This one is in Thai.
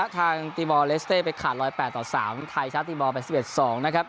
ทีมอล์เลสเต้ไปขาด๑๐๘๓ไทยชาติมอล์๘๗๒นะครับ